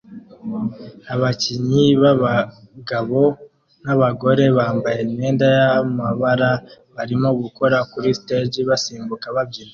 Abakinnyi b'abagabo n'abagore bambaye imyenda y'amabara barimo gukora kuri stage basimbuka babyina